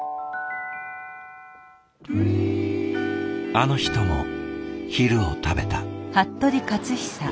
あの人も昼を食べた。